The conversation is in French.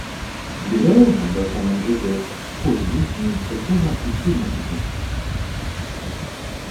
Dès lors, Benjamin Joseph Frobisher est très impliqué dans ces conflits.